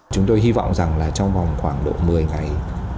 chúng tôi hy vọng rằng là trong vòng khoảng độ một mươi ngày